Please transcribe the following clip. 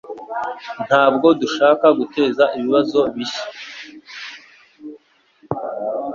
Ntabwo dushaka guteza ibibazo bishya.